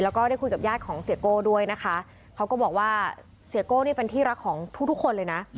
แล้วก็ได้คุยกับญาติของเสียโก้ด้วยนะคะเขาก็บอกว่าเสียโก้นี่เป็นที่รักของทุกคนเลยนะ